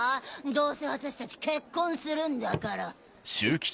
どうせ私たち結婚するんだから。